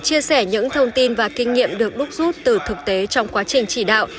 chia sẻ những thông tin và kinh nghiệm được đúc rút từ thực tế trong quá trình chỉ đạo